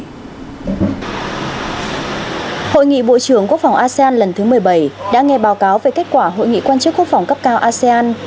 hội nghị bộ trưởng quốc phòng asean lần thứ một mươi bảy đã nghe báo cáo về kết quả hội nghị quan chức quốc phòng cấp cao asean